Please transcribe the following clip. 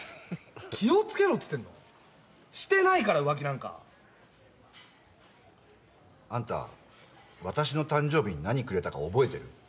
気をつけろっつってんのしてないから浮気なんかあんた私の誕生日に何くれたか覚えてる？